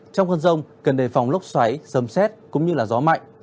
trong cơn rông cần đề phòng lốc xoáy giấm xét cũng như là gió mạnh